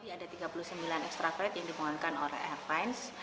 ada tiga puluh sembilan ekstra flight yang dipengaruhi oleh airfines